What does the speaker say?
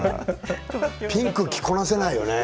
ピンク着こなせないよね